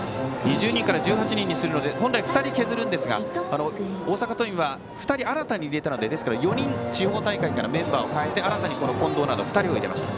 ２０人から１８人にするので本来、２人削るんですが大阪桐蔭は２人新たに入れたのでですから４人、地方大会からメンバーを代えて新たに近藤など２人を入れました。